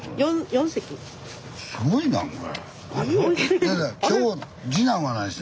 すごいなこれ。